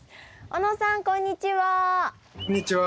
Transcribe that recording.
小野さんこんにちは。